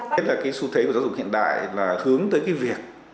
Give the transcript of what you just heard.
thế là cái xu thế của giáo dục hiện đại là hướng tới cái việc